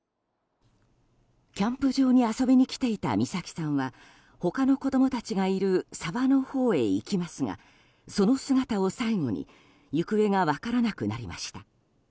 キャンプ場に遊びに来ていた美咲さんは他の子供たちがいる沢のほうへ行きますがその姿を最後に行方が分からなくなりました。